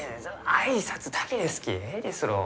挨拶だけですきえいですろう？